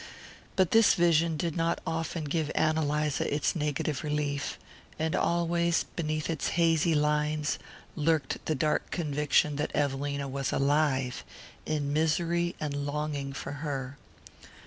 But this vision did not often give Ann Eliza its negative relief; and always, beneath its hazy lines, lurked the dark conviction that Evelina was alive, in misery and longing for her.